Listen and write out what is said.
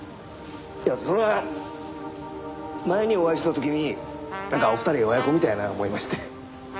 いやそれは前にお会いした時になんかお二人が親子みたいやな思いまして。